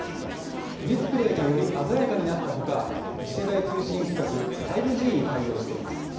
ディスプレイがより鮮やかになったほか次世代通信規格５Ｇに対応しています